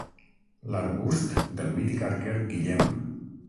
L'arbust del mític arquer Guillem.